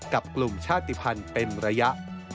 กับกลุ่มชาติภัณฑ์เป็นระยะ